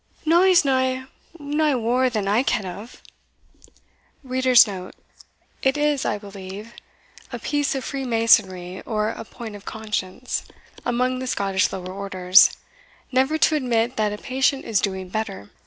"Na, he's no nae waur that I ken of." It is, I believe, a piece of free masonry, or a point of conscience, among the Scottish lower orders, never to admit that a patient is doing better.